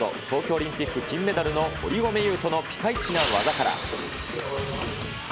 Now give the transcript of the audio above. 東京オリンピック金メダルの堀米雄斗のピカイチな技から。